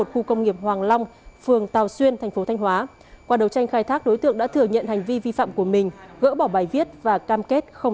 khu công nghiệp hoàng long phường tàu xuyên